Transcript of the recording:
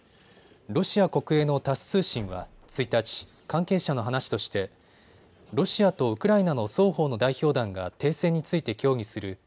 ロシア国営のタス通信は１日、関係者の話としてロシアとウクライナの双方の代表団が停戦について協議する